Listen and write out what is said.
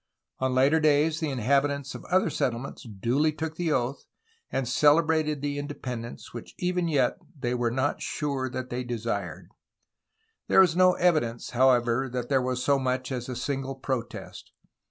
On later days the inhabitants of other settlements duly took the oath, and celebrated the independence which even yet they were not sure that they desired. There is no evidence, however, that there was so much as a single protest.